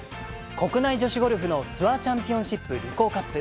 国内女子ゴルフのツアーチャンピオンシップ、リコーカップ。